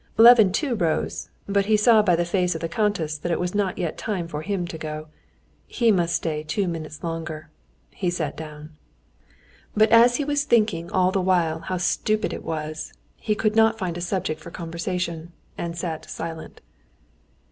Levin too rose, but he saw by the face of the countess that it was not yet time for him to go. He must stay two minutes longer. He sat down. But as he was thinking all the while how stupid it was, he could not find a subject for conversation, and sat silent.